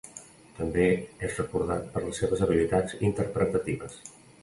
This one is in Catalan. També és recordat per les seves habilitats interpretatives.